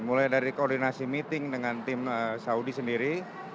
mulai dari koordinasi meeting dengan tim saudi sendiri